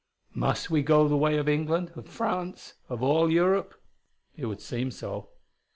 "Must we go the way of England, of France, of all Europe? It would seem so.